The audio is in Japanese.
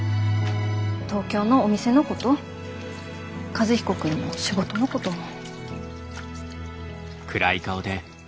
東京のお店のこと和彦君の仕事のことも。